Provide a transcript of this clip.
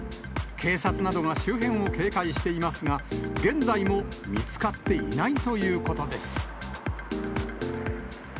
警察などが周辺を警戒していますが、現在も見つかっていないということです。